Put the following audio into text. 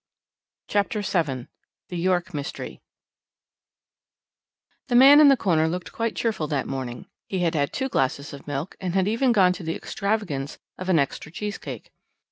CHAPTER VII THE YORK MYSTERY The man in the corner looked quite cheerful that morning; he had had two glasses of milk and had even gone to the extravagance of an extra cheese cake.